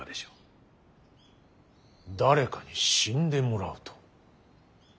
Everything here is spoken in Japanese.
誰かに死んでもらうと。